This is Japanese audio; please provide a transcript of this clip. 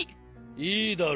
いいだろう。